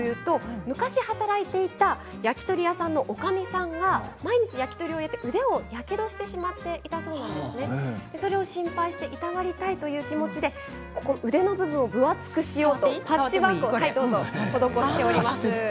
昔、働いていた焼き鳥屋さんのおかみさんが毎日、焼き鳥を焼いて腕をやけどしてしまっていたそうなんですね。それを心配していたわりたいという気持ちで腕の部分を分厚くしようとパッチワークを施しております。